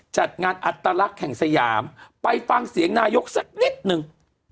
จัดงานอัตลักษณ์แห่งสยามไปฟังเสียงนายกสักนิดนึง